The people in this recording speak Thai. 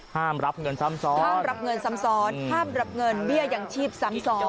ห้ามรับเงินซ้ำซ้อนห้ามรับเงินเบี้ยอย่างชีพซ้ำซ้อน